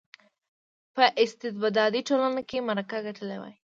په استبدادي ټولنه کې معرکه ګټلې وای.